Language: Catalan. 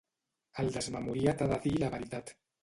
El desmemoriat ha de dir la veritat.